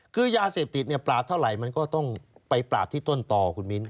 คือยาเสพติดเนี่ยปราบเท่าไหร่มันก็ต้องไปปราบที่ต้นต่อคุณมิ้น